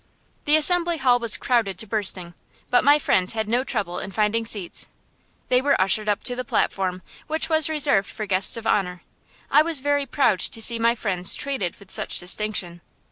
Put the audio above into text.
The assembly hall was crowded to bursting, but my friends had no trouble in finding seats. They were ushered up to the platform, which was reserved for guests of honor. I was very proud to see my friends treated with such distinction.